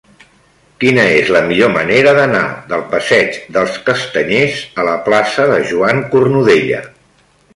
Quina és la millor manera d'anar del passeig dels Castanyers a la plaça de Joan Cornudella?